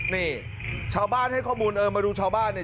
นี่ชาวบ้านให้ข้อมูลเออมาดูชาวบ้านเนี่ย